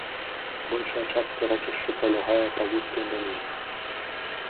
Большая частка рэчышча пралягае па вузкай даліне.